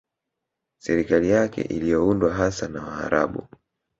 Serikali yake iliyoundwa hasa na Waarabu